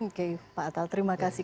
oke pak atal terima kasih